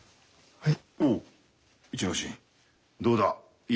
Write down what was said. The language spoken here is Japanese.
はい？